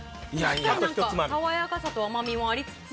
爽やかさと甘みもありつつ。